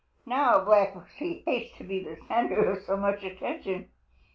Now Black Pussy hates to be the center of so much attention.